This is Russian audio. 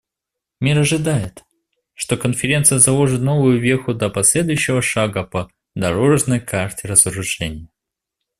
Мир ожидает, что Конференция заложит новую веху для последующего шага по "дорожной карте" разоружения.